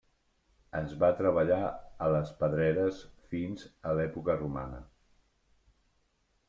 Es va treballar a les pedreres fins a l'època romana.